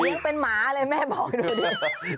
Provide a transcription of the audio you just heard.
ยังเป็นหมาเลยแม่บอกดูดิ